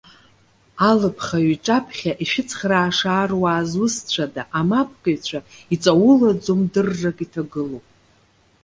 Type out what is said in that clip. Алыԥхаҩы иҿаԥхьа, ишәыцхрааша аруаа зусҭцәада? Амапкыҩцәа иҵаулаӡоу мдыррак иҭагылоуп.